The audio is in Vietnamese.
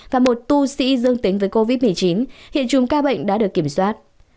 và một tu sĩ dương tính với covid một mươi chín hiện chùm ca bệnh đã được kiểm soát